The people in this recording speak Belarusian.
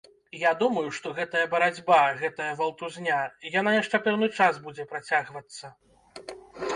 Я думаю, што гэтая барацьба, гэтая валтузня, яна яшчэ пэўны час будзе працягвацца.